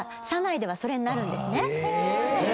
え